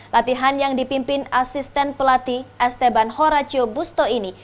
latihan yang dipimpin asisten pelatih esteban horacio busto ini